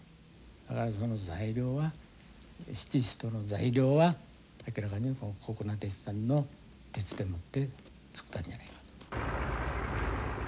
だからその材料は七支刀の材料は明らかに谷那鉄山の鉄でもって作ったんじゃないかと。